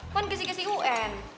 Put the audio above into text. kan kesi kesi un